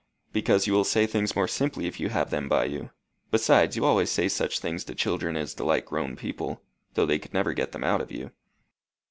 "Because you will say things more simply if you have them by you. Besides, you always say such things to children as delight grown people, though they could never get them out of you."